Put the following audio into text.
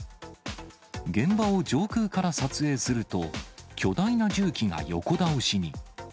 現場を上空から撮影すると、巨大な重機が横倒しに。